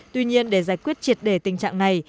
tuy nhiên để giải quyết triệt đề tình trạng này